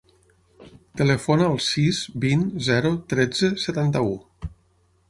Telefona al sis, vint, zero, tretze, setanta-u.